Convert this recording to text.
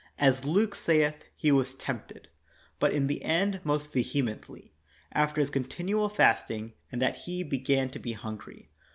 As Luke saith, "He was tempted,' ' but in the end most vehemently, after His continual fasting, and that He began to be hungry.